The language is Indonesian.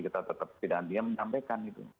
kita tetap tidak diam menyampaikan gitu